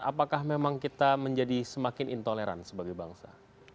apakah memang kita menjadi semakin intoleran sebagai bangsa